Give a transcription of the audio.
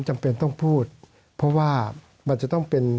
สวัสดีครับทุกคน